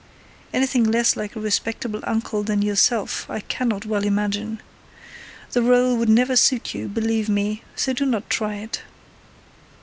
Anything less like a respectable uncle than yourself I cannot well imagine. The role would never suit you, believe me, so do not try it.